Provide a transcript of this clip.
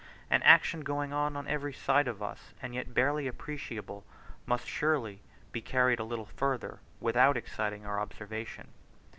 An action going on, on every side of us, and yet barely appreciable, might surely be carried a little further, without exciting our observation.